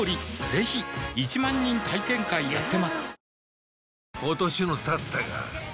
ぜひ１万人体験会やってますはぁ。